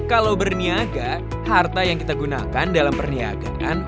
kalau berniaga harta yang kita gunakan dalam perniagaan